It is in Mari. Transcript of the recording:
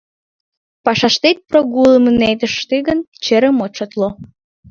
— Пашаштет прогулым ынет ыште гын, черым от шотло.